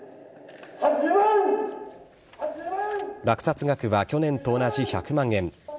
落札額は去年と同じ１００万円。